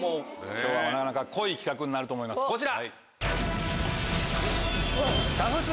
今日はなかなか濃い企画になると思いますこちら！